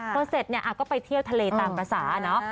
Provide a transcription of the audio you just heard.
พอเสร็จเนี่ยก็ไปเที่ยวทะเลตามภาษาเนาะ